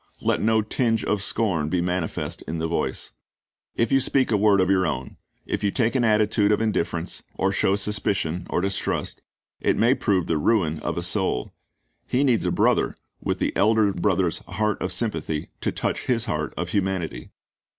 Let no tinge of scorn be manifest in the voice. If you speak a word of your own, if you take an attitude of indifference, or show suspicion or distrust, it may prove the ruin of a soul. He needs a brother with the Elder Brother's heart of sympathy to touch his heart of humanity.